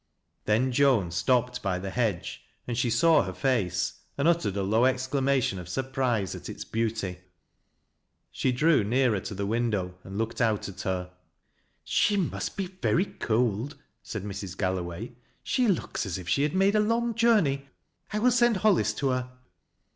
Then Joan stopped by the hedge and she saw her face and uttered a low exclamation of surprise at ite beauty. She drew nearer to the window and looked oul at her. " She must be very cold," said Mrs. Galloway. " Sh( looks as if she had made a long journey. I will send riollis to her."